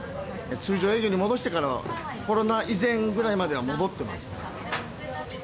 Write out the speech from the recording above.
通常営業に戻してからは、コロナ以前ぐらいまでは戻ってます。